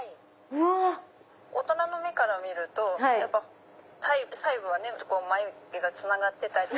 ⁉大人の目から見ると細部は眉毛がつながってたり。